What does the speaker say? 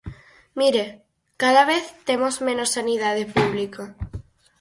Mire, cada vez temos menos sanidade pública.